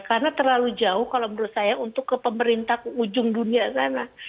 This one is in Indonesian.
karena terlalu jauh kalau menurut saya untuk ke pemerintah ke ujung dunia sana